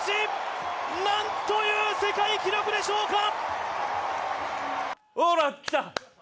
なんという世界記録でしょうか！